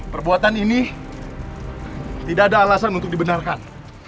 perbuatan ini tidak ada alasan untuk dibenarkan